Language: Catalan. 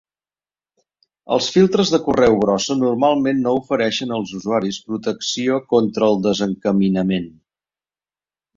Els filtres de correu brossa normalment no ofereixen als usuaris protecció contra el descaminament.